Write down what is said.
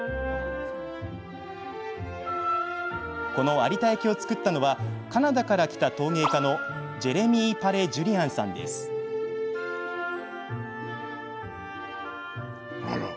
この有田焼を作ったのはカナダから来た陶芸家のジェレミー・パレジュリアンさんです。